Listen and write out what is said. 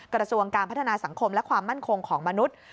กระทรวงการพัฒนาสังคมและความมั่นคงของมนุษย์